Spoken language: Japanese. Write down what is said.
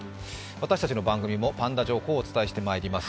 私たちの番組もパンダ情報をお伝えしていきます。